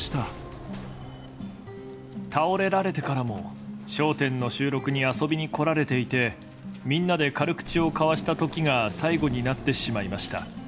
倒れられてからも、笑点の収録に遊びに来られていて、みんなで軽口を交わしたときが最後になってしまいました。